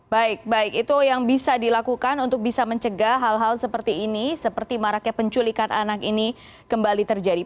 baik baik itu yang bisa dilakukan untuk bisa mencegah hal hal seperti ini seperti maraknya penculikan anak ini kembali terjadi